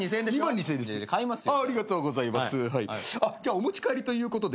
お持ち帰りということで。